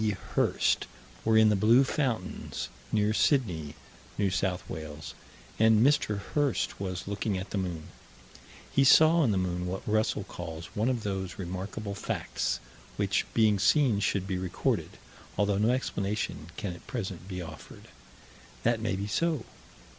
D. Hirst, were in the Blue fountains, near Sydney, N.S.W., and Mr. Hirst was looking at the moon He saw on the moon what Russell calls "one of those remarkable facts, which being seen should be recorded, although no explanation can at present be offered." That may be so.